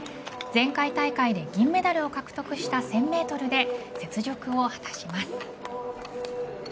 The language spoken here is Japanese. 前回大会で銀メダルを獲得した１０００メートルで雪辱を果たします。